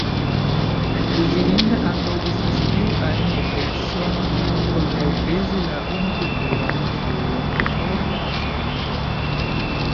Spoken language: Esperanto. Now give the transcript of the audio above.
Dezirinda ankaŭ estas iu ajn ebleco kontraŭpezi la unukulturan influon de forta nacilingvo.